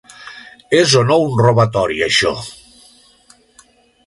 És o no un robatori això?